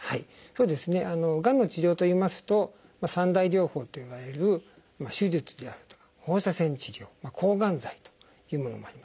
がんの治療といいますと３大療法といわれる手術であるとか放射線治療抗がん剤というものもあります。